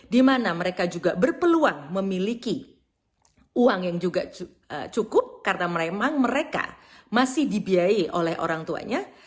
di mana mereka juga berpeluang memiliki uang yang juga cukup karena memang mereka masih dibiayai oleh orang tuanya